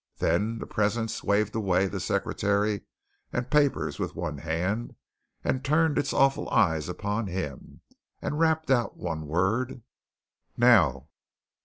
Then the presence waved away secretary and papers with one hand, turned its awful eyes upon him, and rapped out one word: "Now!"